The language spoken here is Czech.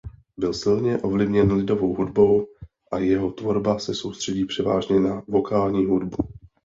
Byl silně ovlivněn lidovou hudbou a jeho tvorba se soustředí převážně na vokální hudbu.